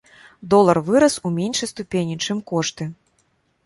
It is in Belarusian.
Долар вырас у меншай ступені, чым кошты.